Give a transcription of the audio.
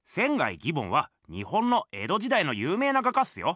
義梵は日本の江戸時代の有名な画家っすよ。